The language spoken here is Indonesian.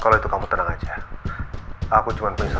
saat ini kau bersikap g diskusio